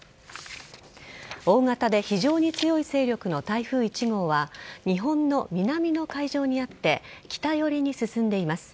大型で非常に強い勢力の台風１号は日本の南の海上にあって北寄りに進んでいます。